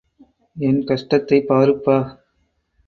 என் கஷ்டத்தைப் பாருப்பா!